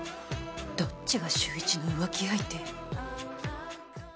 どっちが秀一の浮気相手？